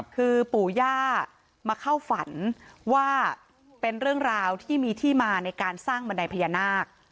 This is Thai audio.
คือปู่ย่ามาเข้าฝันว่าเป็นเรื่องราวที่มีที่มาในการสร้างบันไดพญานาค